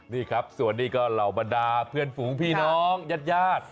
นี่ครับส่วนนี้ก็เหล่าบรรดาเพื่อนฝูงพี่น้องญาติญาติ